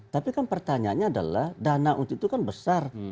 tapi kan pertanyaannya adalah dana untuk itu kan besar